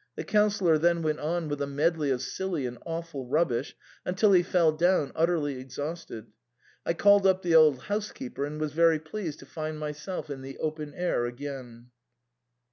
" The Councillor then went on with a medley of silly and awful rubbish, until he fell down utterly exhausted ; I called up the old housekeeper, and was very pleased to find myself in the open air again.